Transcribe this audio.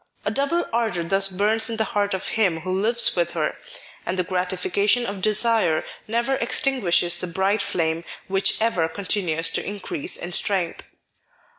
" A double ardour thus burns in the heart of him who lives with her, and the gratifica tion of desire never extinguishes the bright flame which ever con tinues to increase in strength."